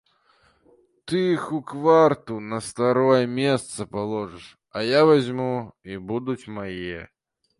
Ты іх у кварту на старое месца паложыш, а я вазьму, і будуць мае.